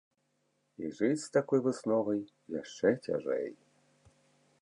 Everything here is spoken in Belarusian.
І жыць з такой высновай яшчэ цяжэй.